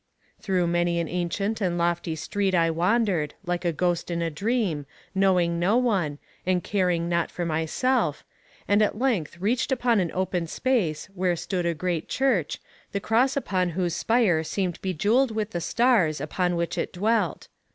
Through many an ancient and lofty street I wandered, like a ghost in a dream, knowing no one, and caring not for myself, and at length reached an open space where stood a great church, the cross upon whose spire seemed bejewelled with the stars upon which it dwelt.